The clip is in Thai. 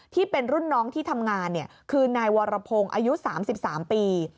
ที่เป็นรุ่นน้องที่ทำงานเนี่ยคือนายวรพงษ์อายุสามสิบสามปี